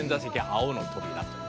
青の扉というね」